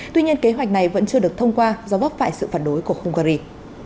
tuy nhiên kế hoạch này vẫn chưa được thông qua do vấp phải sự phản đối của hungary